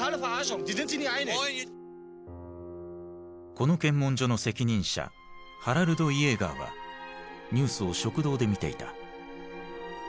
この検問所の責任者ハラルド・イエーガーはニュースを食堂で見ていた。